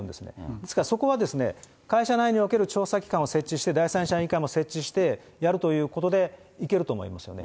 ですからそこは会社内における調査機関を設置して、第三者委員会も設置して、やるということで、いけると思いますね。